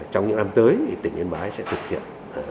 trong những năm tới tỉnh yên bái sẽ thực hiện